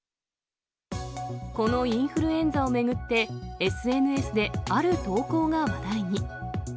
このインフルエンザを巡って、ＳＮＳで、ある投稿が話題に。